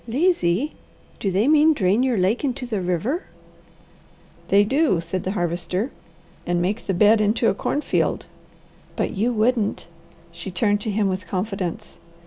"Lazy! Do they mean drain your lake into the river?" "They do," said the Harvester, "and make the bed into a cornfield." "But you wouldn't?" She turned to him with confidence.